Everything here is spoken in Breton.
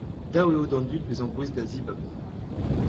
Dav eo d'an dud bezañ gouest da zibab.